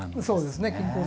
そうですね。